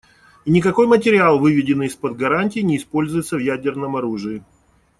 И никакой материал, выведенный из-под гарантий, не используется в ядерном оружии.